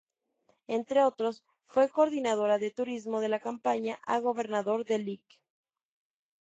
Entre otros, fue Coordinadora de Turismo de la Campaña a Gobernador del Lic.